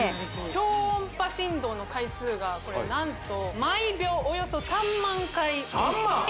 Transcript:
超音波振動の回数がこれ何と毎秒およそ３万回３万！？